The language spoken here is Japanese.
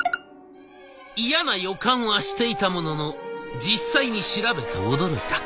嫌な予感はしていたものの実際に調べて驚いた。